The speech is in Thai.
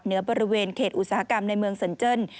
เหนือบริเวณเขตอุตสาหกรรมในเมืองสนเจน